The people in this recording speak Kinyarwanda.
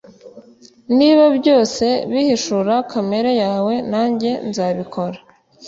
niba byose bihishura kamere yawe, nanjye nzabikora